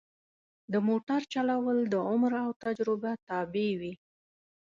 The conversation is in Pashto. د موټر چلول د عمر او تجربه تابع وي.